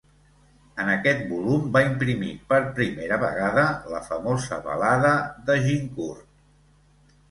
En aquest volum va imprimir per primera vegada la famosa Balada d'Agincourt.